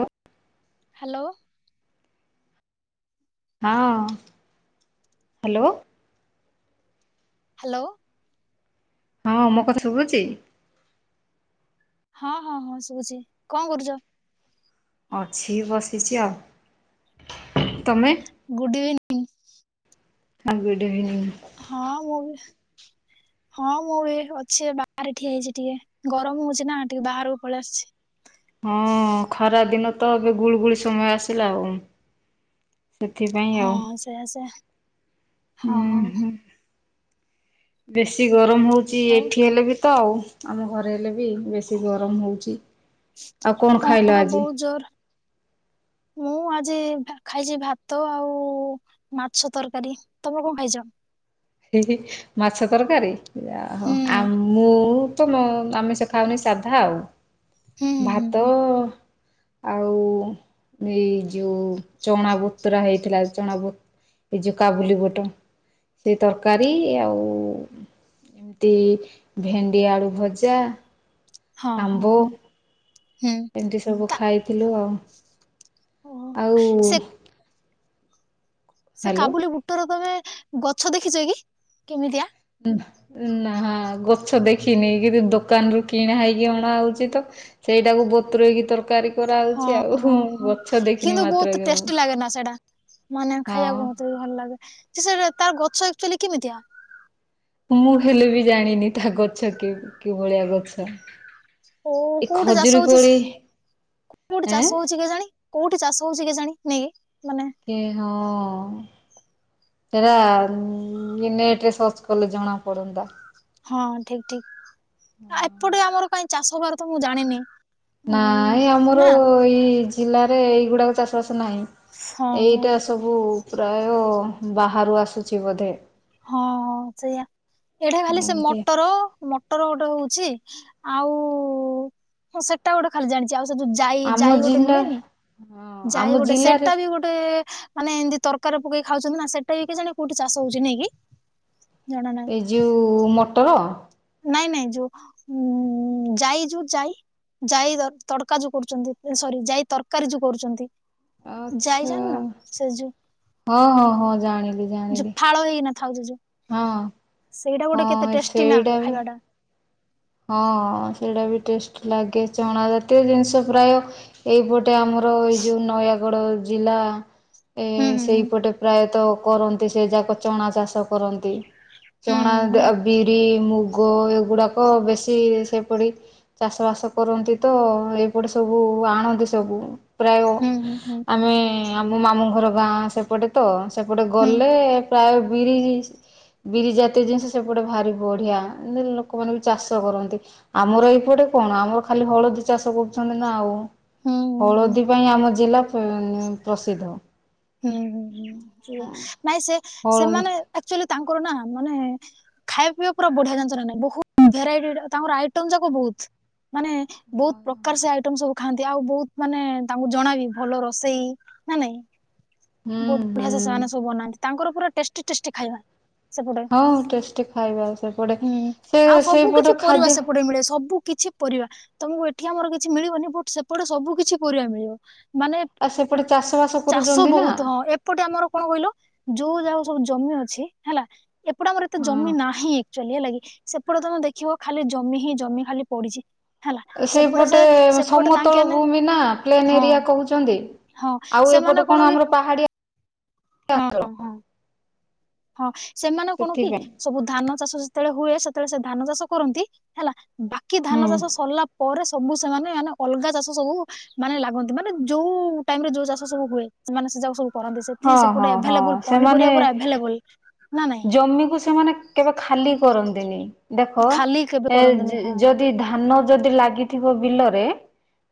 ଆଁ ହାଲୋ। ହଁ hello. Hello. ହଁ ମୋ କଥା ଶୁଭୁଛି? ହଁ ହଁ ହଁ ଶୁଭୁଛି। କଣ କରୁଛ? ଅଛି ବସିଛି ଆଉ। ତମେ? Good evening. ହଁ ଗୁଡ୍ ଇଭିନିଂ। ହଁ ମୁଁ ବି ହଁ ମୁଁ ବି ଅଛି ବାହାରେ ଠିଆ ହେଇଛି ଟିକେ। ଗରମ ହଉଛି ନା ଟିକେ ବାହାରକୁ ପଳେଇ ଆସିଛି। ହଁ ଖରା ଦିନ ତ। ଏବେ ଗୁଳୁଗୁଳି ସମୟ ଆସିଲା ଆଉ ସେଥିପାଇଁ ହଁ ଆଉ ସେଇୟା ସେ ଉଁ ହଁ। ବେଶି ଗରମ ହଉଛି ଆଉ ଏଠି ହେଲେ ବି ତ। ଆଉ ଆମ ଘରେ ହେଲେ ବି ବେଶି ଗରମ ହଉଛି। ଆଉ କଣ ହଁ ଖାଇଲ ବା ଆଜି? ବହୁତ ଜୋର ମୁଁ ଆଜି ଖାଇଛି। ଭାତ ଆଉ ମାଛ ତରକାରୀ। ତମେ କଣ ଖାଇଛ? ହିଁ ହିଁ ମାଛ ତରକାରୀ ଯାହାହେଉ। ହୁଁ ଆଉ ମୁଁ ତମ ଆମିଷ ଖାଉନି ସାଧା ଆଉ। ହୁଁ ହୁଁ ହୁଁ ଭାତ ହୁଁ। ଆଉ ଏଇ ଯୋଉ ଚଣା ବୁତୁରା ହେଇଥିଲା। ଚଣା ବୁତ ଏ ଯୋଉ କାବୁଲି ବୁଟ। ସେ ତରକାରୀ ଆଉ ତି ଭେଣ୍ଡି ଆଳୁ ଭଜା। ହଁ ହୁଁ ଏମତି ସବୁ ତା ଖାଇଥିଲୁ ଆଉ ସେ ସେ ହ୍ୟାଲୋ କାବୁଲି ବୁଟର ତମେ ଗଛ ଦେଖିଛ କି? କେମିତିଆ? ଉଁ ନାହାଁ ଗଛ ଦେଖିନି। କିନ୍ତୁ ଦୋକାନରୁୁ କିଣା ହେଇକି ଅଣା ହଉଛି ତ ସେଇଟାକୁ ବତୁରାଇକି ତରକାରୀ କରା ହଁ ହଉଛି ଆଉ। ହଁ ହଁ ଗଛ ଦେଖିନି କିନ୍ତୁ ବହୁତ ମାତ୍ର ଆଉ ଟେଷ୍ଟି ଲାଗେ ନା ସେଇଟା। ମାନେ ଖାଇବାକୁ ମୋତେ ବି ଭଲ ଲାଗେ। ସେ ତାର ଗଛ ଆକଚୁଆଲି କେମିତିଆ ମୁଁ ହେଲେ ବି ଜାଣିନି ତା ଗଛ କିଭଳିଆ ଗଛ। ଓ ଏ କୋଉଠି ଖଜୁରୀ ଚାଷ ହଉଛି କୋଳି ସେ? କୋଉଠି ଏଁ ଚାଷ ହଉଛି କେଜାଣି? କୋଉଠି ଚାଷ ହଉଛି କେଜାଣି? ନେଇ ମାନେ ଏ ହଁ ସେଟା ଇ ନେଟ ରେ ସର୍ଚ୍ଚ କଲେ ଜଣା ପଡନ୍ତା। ହଁ ଠିକ୍ ଠିକ୍। ଏପଟେ ଆମର କାଇଁ ଚାଷ ହେବାର ତ ମୁଁ ଜାଣିନି ଉଁ ନାଇଁ ଆମର ନା ଏଇ ଜିଲ୍ଲାରେ ଏଇଗୁଡାକ ଚାଷ ବାସ ନାହିଁ। ହଁ ହଁ ହଁ ଏଇଟା ସବୁ ପ୍ରାୟ ବାହାରୁ ଆସୁଛି ବୋଧେ ହଁ ସେଇଆା। ଏଇଟା ଖାଲି ସେ ଏମତି ମଟର ମଟର ଗୋଟେ ହଉଛି। ଆଉ ସେଟା ଗୋଟେ ଖାଲି ଜାଣିଛି। ଆଉ ସେ ଜାଇ ଯାଇ ଆମ ଯାଇ ଗୋଟେ ଜିଲ୍ଲା ମିଳେନି ହଁ ଆମ ଯାଇ ଗୋଟେ ଜିଲ୍ଲାରେ ସେଟା ବି ଗୋଟେ ମାନେ ଏମିତି ତରକାରୀରେ ପକେଇ ଖାଉଛନ୍ତି ନା। ସେଟା ବି କେଜାଣି କୋଉଠି ଚାଷ ହଉଛି ନେଇଁ କି? ଜଣା ନାହିଁ ଏ ଯେଉଁ ମଟର। ନାଇଁ ନାଇଁ ଯୋଉ ଉଁ ଯାଇ ଯାଇ ଜାଇ ତଡକା ଯୋଉ କରୁଛନ୍ତି। ସରି ଜାଇ ତରକାରୀ ଯୋଉ କରୁଛନ୍ତି। ଜାଇ ଆଚ୍ଛା ଯାଣିନ? ସେ ଯଉ ହଁ ହଁ ହଁ ଜାଣିଲି ଜାଣିଲି। ଥାଉ ଜିଜୁ। ହଁ ହଁ ନା ସେଇଟା ବି ଖାଇବା ଟା ହଁ ସେଇଟା ବି ଟେଷ୍ଟ ଲାଗେ ଚଣା ଜାତୀୟ ଜିନିଷ ପ୍ରାୟ। ଏହିପଟେ ଆମର ଏଇ ଯେଉଁ ନୟାଗଡ଼ ଜିଲ୍ଲା ଏ ହୁଁ ହୁଁ ହୁଁ ସେଇପଟେ ପ୍ରାୟତଃ। କରନ୍ତି। ସେ ଯାକ ଚଣା ଚାଷ କରନ୍ତି ଚଣା ହୁଁ ବିରି ମୁ। ଗୋ ଏଗୁଡ଼ାକ ବେଶୀ ସେପରି। ଚାଷ ବାସ କରନ୍ତି ତ ଏଇପଟେ ସବୁ ଆଣନ୍ତି ସବୁ। ପ୍ରାୟ ହୁଁ ହୁଁ ହୁଁ ହୁଁ ହୁଁ ଆମେ ଆମ ମାମୁଁ ଘର ଗାଁ ସେପଟେ ତ ସେପଟେ ହୁଁ ଗଲେ ପ୍ରାୟ ବିରି, ବିରି, ଜାତୀୟ ଜିନିଷ ସେପଟେ ଭାରି ବଢିଆ ଲୋ-। ଲୋକମାନେ ବି ଚାଷ କରନ୍ତି ଆମର ଏଇପଟେ କଣ ଆମର ଖାଲି ହଳଦୀ ଚାଷ କରୁଛନ୍ତି ନା ଆଉ। ହୁଁ ହୁଁ ହଳଦୀ ପାଇଁ ଆମ ଜିଲ୍ଲା- ପ୍ରସିଦ୍ଧ ହୁଁ ହୁଁ ହୁଁ ନାଇଁ ସେ ହଳଦୀ ସେମାନେ। ଆକ୍ଚୁଲି ତାଙ୍କର ନା ମାନେ- ଖାଇବା ପିଇବା ପୁରା ବଢିଆ ଜାଣିଛ ନା ବହୁତ ଭେରାଇଟି ତାଙ୍କର ଆଇଟମ ଯାକ ବହୁତ ମାନେ। ବହୁତ ପ୍ରକାର ସେ ଆଇଟମ ସବୁ ଖାଆନ୍ତି। ଆଉ ବହୁତ ମାନେ ତାଙ୍କୁ ଜଣ ବିି ଭଲର। ରୋଷେଇ ନା ନାଇଁ। ହୁଁ ବହୁତ ହୁଁ ବଢିଆ ସେମାନେ ସବୁ ବନାନ୍ତି ତାଙ୍କର ପୁରା ଟେଷ୍ଟୀ, ଟେଷ୍ଟି ଖାଇବା। ସେପଟେ ହଁ ଟେଷ୍ଟି ଖାଇବା ସେପଟେ ହୁଁ ସେ ଆଉ ସବୁ ସେଇପଟ କିଛି ପରିବା ଖାଦ୍ୟ ସେପଟେ ମିଳେ ସବୁ କିଛି। ପରିବା ତମକୁ ଏଠି ଆମର କିଛି ମିଳିବନି ବଟ ସେପଟେ ସବୁ କିଛି ପରିବା ମିଳିବ। ମାନେ ଆଉ ସେପଟେ ଚାଷ ବାସ ଚାଷ କରୁଛନ୍ତି ନା ବହୁତ ହଁ ଏପଟେ ଆମର କଣ କହିଲ ଯୋଉ ଯାଗହା ସବୁ ଜମି ଅଛି ହେଲା। ଏପଟେ ଆମର ଏତେ ଜମି ହଁ ନାହିଁ। ଚଲିବା ଲାଗି ସେପଟେ ତମେ ଦେଖିବ ଖାଲି ଜମି ହିଁ ଜମି ଖାଲି ପଡିଛି। ହେଲା ସେପଟେ ସେ ସେଇପଟେ ସେପଟେ ସମତଳ ତାଙ୍କେ ମାନେ ଭୂମି ନା ପ୍ଲେନ୍ ହଁ ଏରିଆ କହୁଛନ୍ତି। ହଁ ଆଉ ସେମାନେ ଏପଟେ କଣ କି ଆମର ପାହାଡିଆ। ହଁ ହଁ [unintelligible] ହଁ ସେମାନେ କଣ କି ସେଥିପାଇଁ ସବୁ ଧାନ ଚାଷ ଯେତେବେଳେ ହୁଏ ସେତେବେଳେ ସେ ଧାନ ଚାଷ କରନ୍ତି। ହେଲା ବାକି ଧାନ ହୁଁ। ଚାଷ ସରିଲା ପରେ ସବୁ ସେମାନେ ମାନେ ଅଲଗା ଚାଷ ସବୁ ମାନେ ଲାଗନ୍ତି ମାନେ ଯୋଉ ଟାଇମ ରେ ଯୋଉ ଚାଷ ସବୁ ହୁଏ ସେମାନେ ସେ ଯାକ ସବୁ। କରନ୍ତି। ହଁ ସେଥିପାଇଁ ହଁ ସେପଟେ ହଁ ଏଭେଲେବଲ ପନି ସେମାନେ ପରିବା ପୁରା ଆଭେଲେବଲ। ଜମିକୁ ସେମାନେ କେବେ ଖାଲି କରନ୍ତିନି, ଦେଖ ଖାଲି କେବେ ଏ କରନ୍ତିନି ହଁ ଯଦି ଧାନ ଯଦି ଲାଗିଥିବ ବିଲରେ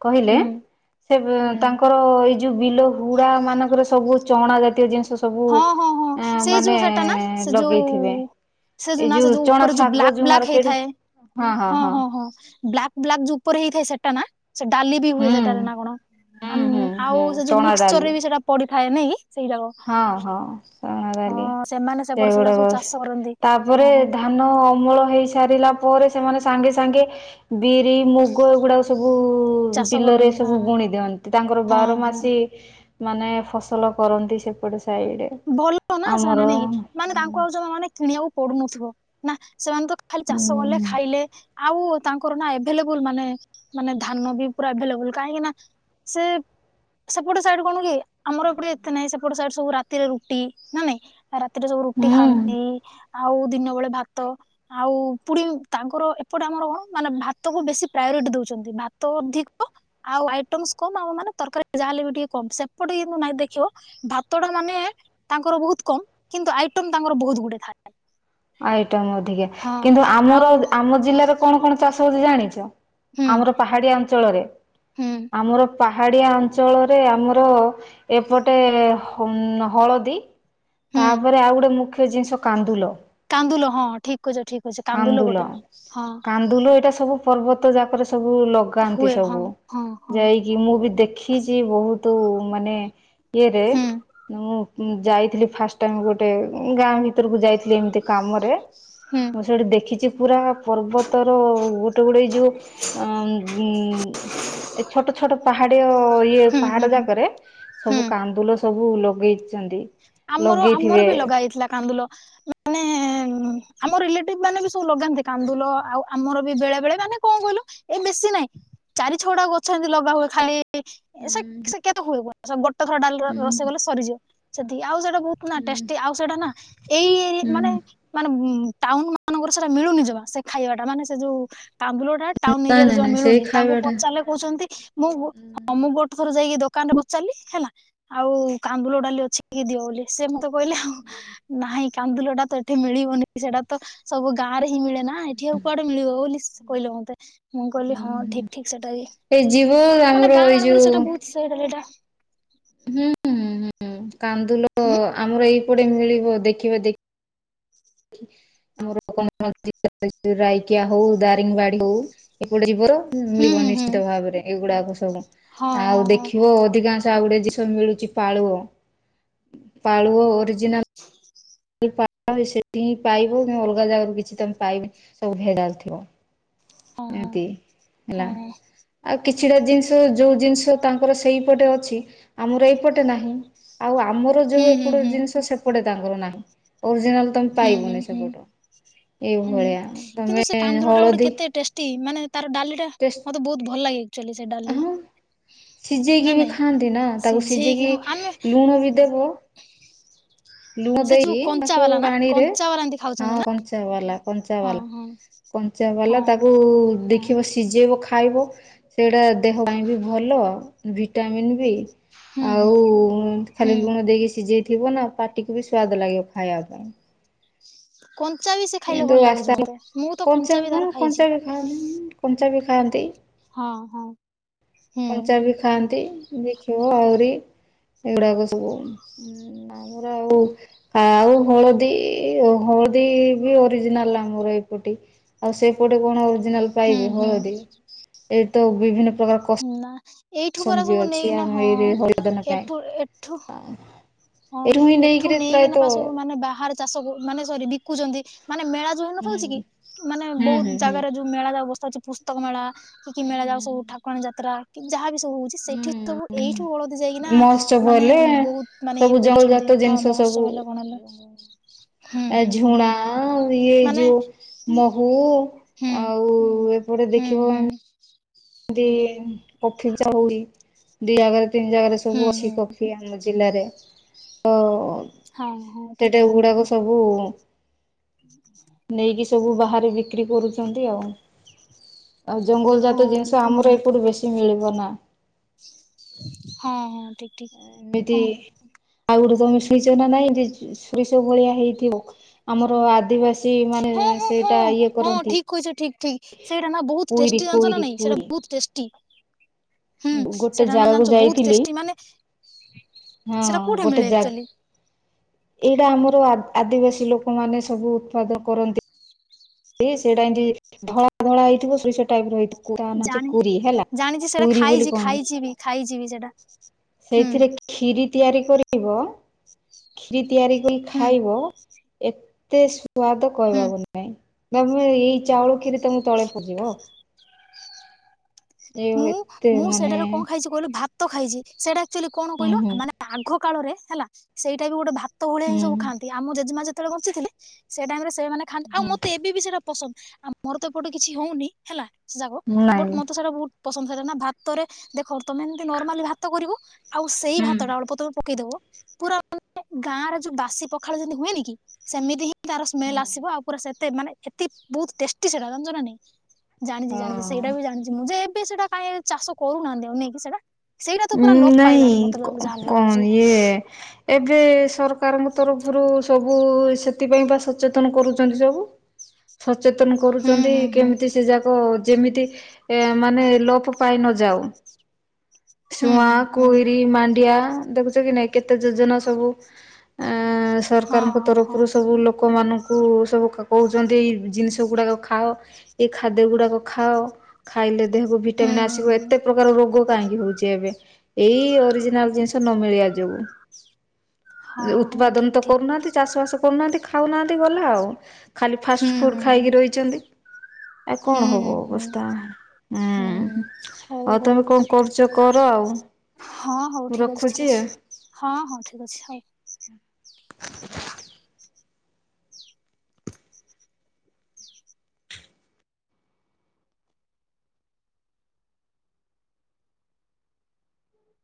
କହିଲେ ହୁଁ ସେ ହୁଁ ତାଙ୍କର ଏଇ ଯୋଉ ବିଲ ହୁଡା ମାନଙ୍କରେ ସବୁ ଚଣା ଜାତୀୟ ଜିନିଷ ସ ସବୁ ହଁ ହଁ ହଁ ଏଁ ସେଇ ମାନେ ଯୋଉ ସେଟା ନା ସେ ଲଗେଇଥିବେ ଯୋଉ ସେ ଏଇ ନା ସେ ଯୋଉ ଚଣା ଉପରେ ଶାଗ ବ୍ଲାକ୍ ଯୋଉ ବ୍ଲାକ୍ ମକେଟ ହେଇଥାଏ ହଁ ହଁ ହଁ। ହଁ ବ୍ଲାକ୍ ବ୍ଲାକ୍ ଯୋଉ ଉପରେ ହେଇଥାଏ ସେଟା ନା? ସେ ଡାଲି ବି ହୁଏ ହୁଁ ସେଟାରେ ନା କଣ ହୁଁ ହୁଁ ଆଉ ହୁଁ ସେ ଯୋଉ ଚଣା ମିକ୍ସଚର ଡାଲି ରେ ବି ସେଟା ପଡିଥାଏ ନାଇଁ କି? ସେଇ ଯାବ ହଁ ହଁ ଚଣା ଡାଲି ସେପଟେ ସେଟା ସେଗୁଡାକ ସବୁ ଚାଷ କରନ୍ତି ତାପରେ ହଁ ଧାନ ଅମଳ ହେଇ ସାରିଲା ପରେ ସେମାନେ ସାଙ୍ଗେ ସାଙ୍ଗେ ବିରି, ମୁଗ ଏଗୁଡାକ ସବୁ ଚାଷ ବିଲରେ କରନ୍ତି ସବୁ ହଁ ବୁଣି ଦିଅନ୍ତି। ତାଙ୍କର ହଁ ବାର ହଁ ମାସି ମାନେ ଫସଲ କରନ୍ତି ସେ ପଟ ସାଇ ଭଲ ନା ସେମାନେେ ନାଇକ କି ମାନେ ତାଙ୍କୁ ଆଉ ଜମା ମାନେ କିଣିବାକୁ ପଡୁନଥିବ ନା ସେମାନେ ତ ଖାଲି ହୁଁ ଚାଷ କଲେ ଖାଇଲେ ଆଉ। ତାଙ୍କର ନା ଏଭେଲେବୁଲ ମାନେ ମାନେ ଧାନ ବି ପୁରା ଏଭେଲେବୁଲ କାହିଁକି ନା ସେ। ସେପଟ ସାଇଡରୁ କଣ କି ଆମର ଏପଟେ ଏତେ ନାଇଁ ସେପଟ ସାଇଡ ସବୁ ରା ରାତିରେ ରୁଟି ନା ନାଇଁ ରାତିରେ ସବୁ ରୁଟି ହୁଁ ଖାଆନ୍ତି। ଆଉ ଦିନ ବେଳେ ଭାତ। ଆଉ ପୁଣି ତାଙ୍କର ଏପଟେ ଆମର କଣ ମାନେ ଭାତକୁ ବେଶୀ ପ୍ରାୟୋରିଟି ଦଉଛନ୍ତି। ଭାତ ଅଧିକ ଆଉ ଆଇଟମସ କମ ଆମ ମାନେ ତରକାରୀ ଯାହାହଲେ ବି ଟିକେ କମ, ସେପଟେ କିନ୍ତୁ ନାଇ ଦେଖିବ ଭାତ ମାନେ ତାଙ୍କର ବହୁତ କମ କିନ୍ତୁ ଆଇଟମ ତାଙ୍କର ବହୁତ ଗୁଟେ ଥାଏ। ଆଇଟମ୍ ଅଧିକା ହଁ କିନ୍ତୁ ଆମର ଆଉ ଆମ ଜିଲ୍ଲାରେ କଣ କଣ ଚାଷ ହଉଛି ଜାଣିଛ? ହୁଁ ଆମର ପାହାଡିଆ ଅଞ୍ଚଳରେ ହୁଁ ଆମର ପାହାଡ଼ିଆ ଅଞ୍ଚଳରେ ଆମର ଏପଟେ ହମ୍ ହଳଦୀ। ହୁଁ ତାପରେ ଆଉ ଗୋଟେ ମୁଖ୍ୟ ଜିନିଷ କାନ୍ଦୁଲ। କାନ୍ଦୁଲ ହଁ ଠିକ୍ କହିଛ ଠିକ୍। କାନ୍ଦୁଲ କାନ୍ଦୁଲ ଏଇଟା ସବୁ ପର୍ବତ ଯାକରେ ସବୁ ଲଗ ପକାନ୍ତି ହୁଏ ହଁ ସବୁ ହଁ ହଁ ଯାଇ କି ମୁଁ ବି ଦେଖିଛି ବହୁତ ମାନେ ଇଏରେ ହୁଁ ମୁଁ। ଯାଇଥିଲି ଫାଷ୍ଟ ଟାଇମ ଗୋଟେ ଗାଁ ଭିତରକୁ ଯାଇଥିଲି ଏମିତି କାମରେ। ହୁଁ। ମୁଁ ସେଠି ଦେଖିଛି ପୁରା ପର୍ବତର ଗୋଟେ ଗୋଟେ ଯୋଉ ଉଁ ଉଁ। ଏ ଛୋଟ ଛୋଟ ପାହାଡିଅ ଇଏ ହୁଁ ହୁଁ ପାହାଡ ହୁଁ ଯାକରେ ହୁଁ ସବୁ କାନ୍ଦୁଲ ସବୁ ଲଗେଇଛନ୍ତି। ଆମର ଆମର ଲଗେଇଥିବେ। ବି ଲଗା ହେଇଥିଲା କାନ୍ଦୁଲ ମାନେ ହୁଁ ଆମ ରିଲେଟିଭ ମାନେ ବି ସବୁ ଲଗାନ୍ତି କାନ୍ଦୁଲ, ଆଉ ଆମର ବି ବେଳେ ବେଳେ ମାନେ କଣ କହିଲ? ଏ ବେଶୀ ନାହିଁ ଚାରି ଛଅଟା ଗଛ ଏମିତି ଲଗା ହୁଏ ଖାଲି ହୁଁ। ସେ କେତ ହୁଏ କ ଗୋଟ ଥର ଡାଲ ରୋଷେଇ କଲେ ହୁଁ ସରିଯିବ, ସେତିକି ଆଉ ସେଟା ବହୁତ ନା ଟେଷ୍ଟୀ ଆଉ ସେଇଟା ନା ଏଇ ଏରି ମାନେ ହୁଁ। ମାନେ ଉ ଟାଉନ ମାନଙ୍କର ସେଟା ମିଳୁନି ଯମା ସେ ଖାଇବା ଟା ମାନେ ସେ ଯୋଉ କାନ୍ଦୁଲଟା। ଟାଉନ ନାଇଁ ଏରିଆରେ ନାଇଁ ଜମା ନାଇଁ ସେଇ ମିଳୁନି ତାଙ୍କୁ ଖାଇବାଟା ପଚାରିଲେ କହୁଛନ୍ତି ମୁଁଁ ମୁଁ ଗୋଟେ ଥର ଯାଇକି ଦୋକାନ ରେ ପଚାରିଲି ହେଲା। ଆଉ କାନ୍ଦୁଲ ଡାଲି ଅଛି କି ଦିଅ ବୋଲି ସେ ମତେ କହିଲେ ନାହିଁ କାନ୍ଦୁଲ ତ ଏଠି ମିଳିବନି ସେଟା ତ ସବୁ ଗାଁ ରେ ହିଁ ମିଳେ ନା ଏଠି ଆଉ କୁଆଡେ ମିଳିବ ବୋଲି ସ କହିଲେ ମତେ। ମୁଁ କହିଲି ହଁ ଠିକ ଠିକ ସେଟା ବି ଏଇ ଯିବ ଆମର ମାନେ ଗାଁ ଏଇ ମାନଙ୍କର ଯୋଉ ସେଇଟା ବହୁତ ସେଟ ଏଇଟା। ହୁଁ ହୁଁଁ ହୁଁ କାନ୍ଦୁଲ ହୁଁ ଆମର ଏଇପଟେ ମିଳିବ ଦେଖିବା ଦେ ଆମର [unintelligible] ରାଇକିଆ ହଉ, ଦାରିଙ୍ଗବାଡି ହଉ। ଏପଟେ ଯୀବର ହୁଁ ମିଳିବ ହୁଁ ହୁଁ। ନିଶ୍ଚିତ ଭାବରେ ଏଇଗୁଡାକ ସବୁ ହଁ ହଁ ଆଉ ଦେଖିବ ଅଧିକାଂଶ ଆଉ ଗୋଟେ ଜିନିଷ ମିଳୁଚି ପାଳୁଅ ପାଳୁଅ ଓରିଜିନାଲ୍ [inaudible] ସେଠି ହିଁ ପାଇବ ମୁ ଅଲଗା ଜାଗାରୁ କିଛି ତମେ ପାଇବି ସବୁ ଭେଜାଲ ଥିବ। ହଁ ଏମତି ହେଲା। ହଁ ହଁ ଆଉ କିଛିଟା ଜିନିଷ ଯୋଉ ଜିନିଷ ତାଙ୍କର ସେଇପଟେ ଅଛି ଆମର ଏଇପଟେ ନାହିଁ। ଆଉ ଆମର ଯୋଉ ହଁ ହୁଁ ଏପଟ ହୁଁ ଜିନିଷ ସେପଟେ ତାଙ୍କର ନାହିଁ ଓରିଜିନାଲ ତମେ ହୁଁ ହୁଁ ହୁଁ ପାଇବୁନି ହୁଁ। ସେପଟ ହୁଁ ଏଇଭଳିଆ ତମେ ହଳଦୀ ନ୍ତି ମାନେ ତାର ଡାଲି ଟା ଟେଷ୍ଟ ମତେ ବହୁତ ଭଲ ଲାଗେ। ଆକ୍ଚୁଆଲି ସେ ଡାଲି ହଁ ନା ସିଝେଇକି ବି ନାଇଁ ଖାଆନ୍ତି ନା ତାକୁ ହଁ ସିଝେଇକି ଆମେ ଲୁଣ ବି ଦେବ ଲୁଣ ସେ ଯୋଉ ଦେଇକି କଞ୍ଚା ତାକୁ ବାଲା ନା ପାଣିରେ କଞ୍ଚା ବାଲା ଏମିତି ହଁ ଖାଉଛନ୍ତି ନା କଞ୍ଚା ବାଲା କଞ୍ଚା ହଁ ବାଲା। ହଁ କଞ୍ଚା ହଁ ବାଲା ତାକୁ ହଁ ଦେଖିବ ସିଝେଇବ ଖାଇବ, ସେଇଟା ଦେହ ପାଇଁ ବି ଭଲ ଭିଟାମିନ୍ ବି। ହୁଁ ହୁଁ ଆଉ ଖାଲି ହୁଁ। ଲୁଣ ଦେଇକି ସିଝେଇଥିବ ନା ପାଟିକୁ ବି ସୁଆଦ ଲାଗିବ ଖାଇବା ପାଇଁ। କଞ୍ଚା ବି ସେ ଖାଇଲେ କିନ୍ତୁ ଭଲ ଲାଗୁଛି ମତେ ମୁଁ ତ କଞ୍ଚା ବି ତାର ଖାଇଛି। ଆମ୍ କଞ୍ଚା ବି ଖାଆନ୍ତି। ହଁ ହଁ। ହୁଁ କଞ୍ଚା ବି ଖାଆନ୍ତି ଦେଖିବ ଆହୁରି ଏଗୁଡାକ ସବୁ। ଆମର ଆଉ ଆଉ ହଳଦୀ ହଳଦୀ ବି ଅରିଜିନାଲ ଆମର ଏପଟେ। ଆଉ ସେପଟେ କଣ ଓରିଜିନାଲ ହୁଁ ପାଇବେ ହୁଁ ହଳଦୀ ଏଇଠି ତ ବିଭିନ୍ନ ପ୍ରକାର କ ନା ଏଇଠୁ ପରା ସବୁ ନେଇକିନା ହଁ ଏଇ ହଳଦନ ପାଇଁ ଏଠୁ ଏଠୁ ହଁ ହିଁ ଏଠୁ ନେଇକିରି ନେଇକିନା ପା ପ୍ରାୟତଃ ସବୁ ମାନେ ବାହାରେ ଚାଷ କ ମାନେ ସରି ବିକୁଛନ୍ତି ମାନେ ମେଳା ଯୋଉ ହ ହୁଁ ନଥାଉଛି କି ମାନେ ହୁଁ ହୁଁ ବହୁତ ଜାଗାରେ ହୁଁ ଯଉ ମେଳା ଯାଉ ବସ୍ଥା ଅଛି ପୁସ୍ତକ ମେଳା କି ମେଳା ଯାଉ ସବୁ ଠାକୁରାଣୀ ଯାତ୍ରା କି ଯାହା ବି ସବୁ ହଉଛି। ସେଠି ସବୁ ଏଇଠୁ ହୁଁ ହଳଦୀ ଯାଇକିନା ମହୋତ୍ସବ ମାନେ ହେଲେ ବହୁତ ମାନେ ସବୁ ଜଙ୍ଗଲ ପଡୁଛନ୍ତି, ଜାତ ହଁ, ଜିନିଷ ମହତ୍ସବ ହେଲେ କଣ ହେଲେ। ହୁଁ ଆ, ହୁଁ ହୁଁ ଝୁଣା ଇଏ, ମାନେ ଯୋଉ ମହୁ, ଆଉ ଗୋଟେ ଦେଖିବ ହଁ [inaudible] ଦି କଫି, ଚା ହୁଏ। ଦି ଜାଗାରେ, ତିନି ଜାଗାରେ, ହୁଁ ସବୁ ଅଛି ହୁଁ କଫି ଆମ ଜିଲ୍ଲାରେ, ତ ହଁ ହଁ ସେଟା ଗୁଡାକ ସବୁ ନେଇକି ସବୁ ବାହାରେ ବିକ୍ରି କରୁଛନ୍ତି ଆଉ ଆଉ, ଜଙ୍ଗଲ ଠିକ ଜାତ ଜିନିଷ ଆମର ଏପଟୁ ବେଶୀ ମିଳିବ ନା। ହଁ, ହଁ, ଠିକ୍, ଠିକ୍। ଏମିତି ଆଉ ଗୋଟେ ଯୋଉ ମିସେଇଛ ନା ନାଇଁ, ଯେ ସୋରିଷ ଭଳିଆ ହେଇଥିବ ଆମର ଆଦିବାସୀ ମାନେ ହଁ ହଁ ସେଇଟା ହଁ ଇଏ ହଁ କରନ୍ତି, ଠିକ କହିଛ ଠିକ ଠିକ ସେଇଟା କୁଇରି, କୁଇରି, କୁଇରି। ଟି ହୁଁ, ଗୋଟେ ସେଟା ନା ଜାଗାକୁ ଜାଣିଛ ବହୁତ ଯାଇଥିଲି ଟେଷ୍ଟି ମାନେ ହଁ, ସେଇଟା କୋଉଠି ଗୋଟେ ମିଳେ ଜାଗା ଆକ୍ଚୁଆଲି ଏଇଟା ଆମର, ଆଦିବାସୀ ଲୋକ ମାନେ ସବୁ ଉତ୍ପାଦ କରନ୍ତି। ସେ ସେଇଟା ଏମିତି, ଧଳା, ଧଳା ହେଇଥିବ ସୋରିଷ ଟାଇପ ର ହେଇଥିବ। ତା ନାଁ ହଉଛି ଜାଣି, କୁରି ହେଲା। ଜାଣିଛି, ସେଟା ପୁରୀ ବୋଲି ଖାଇଛି, କହନ୍ତି ଖାଇଛି ବି, ଖାଇଛି ବି ସେଟା। ସେଇଥିରେ ଖିରି ତିଆରି କରବ, ଖିରି ତିଆରି କରି ହୁଁ ଖାଇବ, ଏତେ ସୁ ସ୍ଵାଦ ହୁଁ କହିବାକୁ ନାଇଁ, ତୋମେ ଏଇ ଚାଉଳ କ୍ଷୀରି ତୋମକୁ ତଳେ ପୂଜିବ। ମୁଁ, ଏତେ ମୁଁ ମାନେ ସେଟାରୁ କଣ ଖାଇଛି କଇଲୁ ଭାତ ଖାଇଛି। ସେଇଟା ଏକ୍ଚୁଲି କଣ ହୁଁ କହିଲ? ଆ, ହୁଁ ମାନେ ଆଘକାଳରେ ହେଲା, ସେଇଟା ବି ଗୋଟେ ଭା ତ ଭଳିଆ ହିଁ ସବୁ ହୁଁ ଖାଆନ୍ତି। ଆମ ଜେଜେମା ଯେତେବେଳେ ବଞ୍ଚିଥିଲେ, ସେ ଟାଇମ୍ ରେ ସେମାନେ ଖାନ୍ତି। ଆଉ ମୋତେ ଏବେ ବି ସେଇଟା ପସନ୍ଦ, ଆମର ତ ଏପଟେ କିଛି ହଉନି, ହେଲା ସେ ଯାକ ବଟ୍ ନାଇଁ ମୋତେ ସେଇଟା ବହୁତ ପସନ୍ଦ, ସେଟା ନା ଭାତରେ ଦେଖ ତୋମେ ଏମିତି ନର୍ମାଲି ଭାତ କରିବ। ଆଉ ସେଇ ଭାତ ଟା ହୁଁ ଅଳ୍ପ ତୋମେ ପକେଇଦବ। ପୁରା ମାନେ, ଗାଁ ର ଯୋଉ ବାସି ପଖାଳ ଯେମିତି ହୁଏନି କି, ସେମିତି ହିଁ ତାର ସ୍ମେଲ୍ ଆସିବ, ଆଉ ପୁରା ସେତେ ମାନେ, ଏତେ ବହୁତ ଟେଷ୍ଟି ସେଟା, ଜାଣିଚ ନାଇଁ। ଜାଣିଚି, ଜାଣିଚି, ସେଇଟା ହଁ। ବି ଜାଣିଚି, ମୁଁ ଯେ ଏବେ ସେଟା କାଇଁ ଚାଷ କରୁନାହାନ୍ତି ଆଉ ନେଇକି ସେଟା। ସେଇଟା ତ, ପୁରା ଲୋପ ନାଇଁ ପାଇଲାଣି ମୋତେ ଲା ଯାହା କଣ ଲାଗୁଚି। ଇଏ ଏବେ ସରକାରଙ୍କ ତରଫରୁ ସବୁ ଏ ସେଥିପାଇଁ ପା ସଚେତନ କରୁଚନ୍ତି ସବୁ। ସଚେତନ ହୁଁ କରୁଚନ୍ତି, ହୁଁ ହୁଁ କେମିତି ସେ ଯାକ ଯେମିତି ଏ ମାନେ ଲୋପ ପାଇ ନ ଯାଉ। ହୁଁ ଶୁଆଁ, ହୁଁ ହୁଁ କୁଇରି, ମାଣ୍ଡିଆ, ଦେଖୁଚ କି ନାଇଁ କେତେ ଯୋଜନା ସବୁ। ଏଁ, ସରକାରଙ୍କ ହଁ ହଁ ତରଫରୁ ସବୁ ଲୋକମାନଙ୍କ କୁ ସବୁ ଖ, କହୁଚନ୍ତି ଏଇ ଜିନିଷ ଗୁଡ଼ାକ ଖାଅ। ଏଇ ଖାଦ୍ୟ ଗୁଡାକ ଖାଅ, ଖାଇଲେ ଦେହକୁ ହଁ ହୁଁ ଭିଟାମିନ୍ ହୁଁ ଆସିବ। ହୁଁ ଏତେ ପ୍ରକାର ରୋଗ କାହିଁକି ହଉ ଚି ଏବେ, ଏଇ ଅରିଜିନାଲ୍ ଜିନିଷ ନ ମିଳିବା ଯୋଗୁ। ଯେ ହଁ ହଁ ଉତ୍ପାଦନ ଠିକ ତ ଠିକ କରୁନାହାନ୍ତି। ଚାଷ ବାସ କରୁନାହାନ୍ତି, ଖାଉନାହାନ୍ତି ଗଲା ଆଉ। ଖାଲି ହୁଁ ଫାଷ୍ଟ ଫୁଡ୍ ହୁଁ ଖାଇକି ରହିଛନ୍ତି। ଆଉ ହୁଁ କଣ ହୁଁ ହବ ହୁଁ ହୁଁ ଅବସ୍ତା, ଉଁ, ହୁଁ, ହଉ ଆଉ ହଉ ତୋମେ କଣ କରୁ ଚ କର ଆଉ। ହଁ, ହଉ ମୁଁ ଠିକ୍ ଅଛି, ଠିକ୍ ରଖୁଛି ଆଉ ଅଛି। ହଁ ହଉ, ଠିକ ଅଛି, ହଉ। [inaudible]